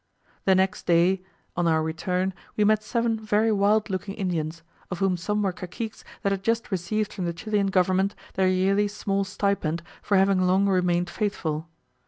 The next day, on our return, we met seven very wild looking Indians, of whom some were caciques that had just received from the Chilian government their yearly small stipend for having long remained faithful.